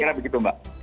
kira kira begitu mbak